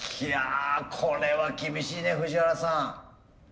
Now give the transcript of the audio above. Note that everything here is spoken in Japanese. いやこれは厳しいね藤原さん。